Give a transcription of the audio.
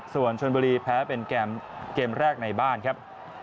ส่วนชนบุรีแพ้เป็นเกมแรกในบ้านครับ